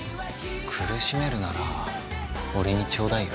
苦しめるなら俺にちょうだいよ。